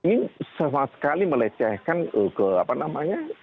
ini sama sekali melecehkan ke apa namanya